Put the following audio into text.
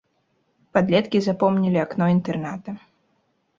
Падлеткі запомнілі акно інтэрната.